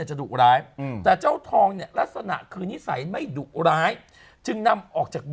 เฮ้ยนางเก่งมาก